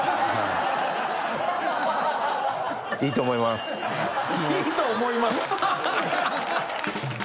「いいと思います」